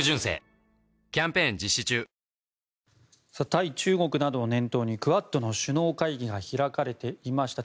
対中国などを念頭にクアッドの首脳会合が開かれていました。